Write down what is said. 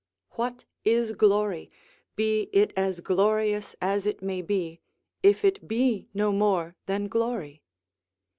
["What is glory, be it as glorious as it may be, if it be no more than glory?"